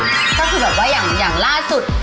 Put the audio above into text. ก็คือแบบว่าอย่างล่าสุด